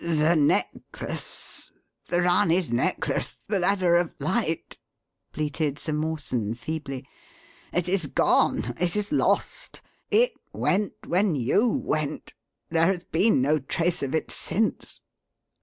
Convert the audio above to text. "The necklace the Ranee's necklace! The Ladder of Light!" bleated Sir Mawson feebly. "It is gone! It is lost! It went when you went. There has been no trace of it since."